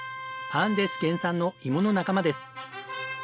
アンデス原産の芋の仲間です。